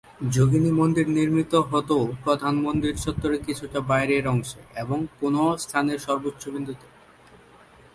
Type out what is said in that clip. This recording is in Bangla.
যোগিনী মন্দির নির্মিত হত প্রধান মন্দির চত্বরের কিছুটা বাইরের অংশে এবং কোনও স্থানের সর্বোচ্চ বিন্দুতে।